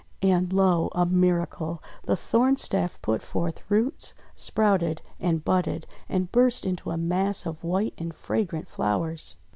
And, lo! a miracle! the Thorn Staff put forth roots, sprouted, and budded, and burst into a mass of white and fragrant flowers!